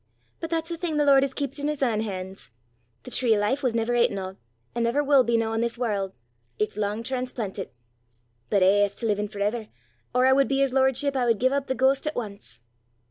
But that's a thing the Lord has keepit in 's ain han's. The tree o' life was never aten o', an' never wull be noo i' this warl'; it's lang transplantit. But eh, as to livin' for ever, or I wud be his lordship, I wud gie up the ghost at ance!"